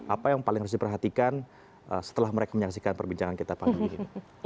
apa yang paling harus diperhatikan setelah mereka menyaksikan perbincangan kita pagi ini